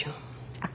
あっ。